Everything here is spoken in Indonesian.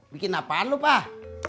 bikin apaan lu pak